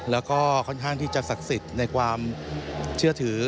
แล้วก็ค่อนข้างที่จะศักดิ์สิทธิ์ในความเชื่อถือ